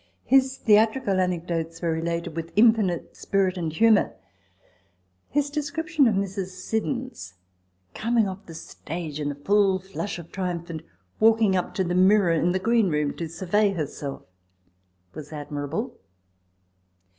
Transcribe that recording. His theatrical anec dotes were related with infinite spirit and humour : his description of Mrs. Siddons coming off the stage in the full flush of triumph, and walking up to the mirror in the green room to survey herself, was ad mirable.